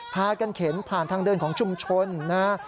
พากันเข็นผ่านทางเดินของชุมชนนะฮะ